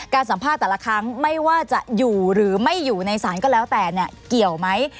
สัมภาษณ์แต่ละครั้งไม่ว่าจะอยู่หรือไม่อยู่ในศาลก็แล้วแต่เนี่ยเกี่ยวไหม